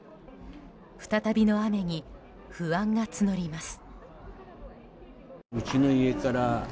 再びの雨に不安が募ります。